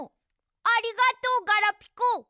ありがとうガラピコ。